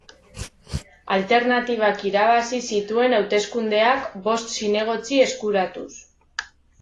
Alternatibak irabazi zituen hauteskundeak, bost zinegotzi eskuratuz.